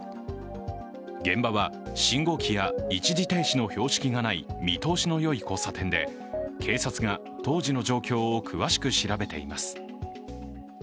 現場は信号機や一時停止の標識がない見通しのよい交差点で警察が当時の状況を詳しく調べています。